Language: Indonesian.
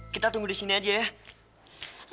kita tunggu di sini aja ya